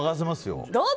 どうぞ。